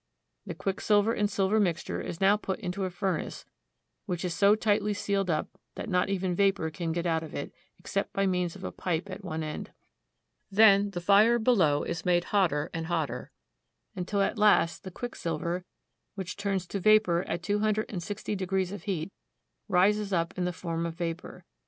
The quicksilver and silver mixture is now put into a fur nace, which is so tightly sealed up that not even vapor can get out of it, except by means of a pipe at one end. Then the fire below is made hotter and hotter until at last the quicksilver, which turns to vapor at two hundred and sixty degrees of heat, rises up in the form of vapor.